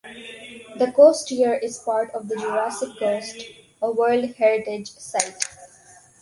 The coast here is part of the Jurassic Coast, a World Heritage Site.